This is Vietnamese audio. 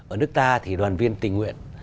ở nước ta thì đoàn viên tình nguyện